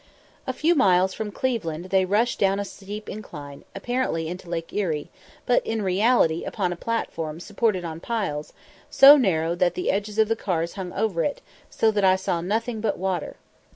A few miles from Cleveland they rushed down a steep incline, apparently into Lake Erie; but in reality upon a platform supported on piles, so narrow that the edges of the cars hung over it, so that I saw nothing but water.